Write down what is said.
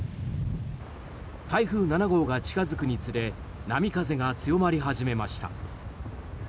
台風７号が近付くにつれ波風が強まり始めました。